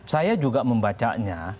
saya juga membacanya